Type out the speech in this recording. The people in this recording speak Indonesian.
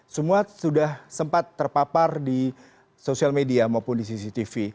semua sudah sempat terpapar di sosial media maupun di cctv